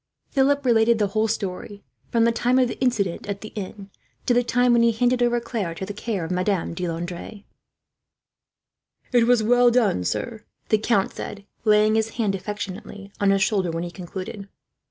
Philip related the whole story, from the time of the incident at the inn, to the time when he handed over Claire to the care of Madame de Landres. "It was well done, sir," the count said, laying his hand affectionately on his shoulder, when he concluded.